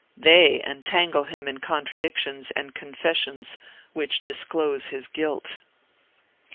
They entangle him in contradictions and confessions which disclose his guilt.